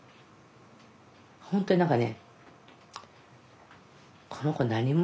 本当に何かね